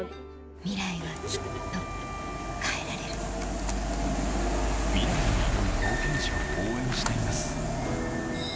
ミライはきっと変えられるミライに挑む冒険者を応援しています